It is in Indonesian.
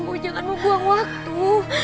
bu jangan membuang waktu